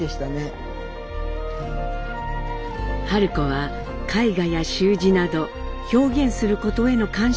春子は絵画や習字など表現することへの関心もありました。